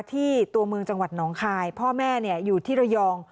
ตัวเมืองจังหวัดหนองคายพ่อแม่อยู่ที่ระยอง